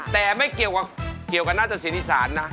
แต่ไม่เกี่ยวกับเกี่ยวกับนาตสินอีสานนะ